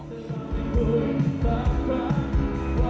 ที่มันคงจะมีร้อนขาวใจ